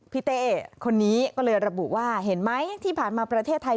เต้คนนี้ก็เลยระบุว่าเห็นไหมที่ผ่านมาประเทศไทย